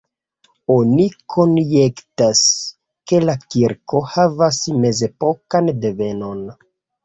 Oni konjektas, ke la kirko havas mezepokan devenon.